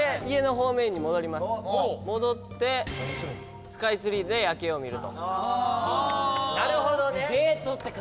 戻ってスカイツリーで夜景を見ると。